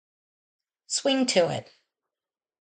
Swing to it.